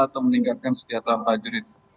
atau meningkatkan sejahtera prajurit